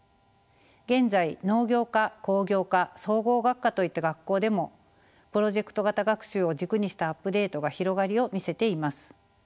現在農業科工業科総合学科といった学校でもプロジェクト型学習を軸にしたアップデートが広がりを見せています。